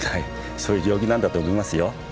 そういう領域なんだと思いますよ。